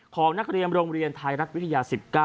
ของนักเรียนโรงเรียนไทยรัฐวิทยา๑๙